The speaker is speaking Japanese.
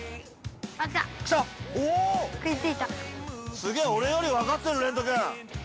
◆すげえ、俺より分かってる、れんと君。